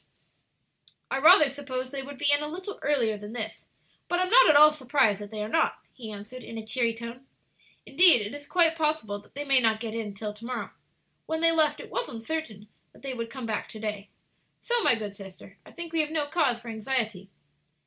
"I rather supposed they would be in a little earlier than this, but am not at all surprised that they are not," he answered, in a cheery tone. "Indeed, it is quite possible that they may not get in till to morrow. When they left it was uncertain that they would come back to day. So, my good sister, I think we have no cause for anxiety."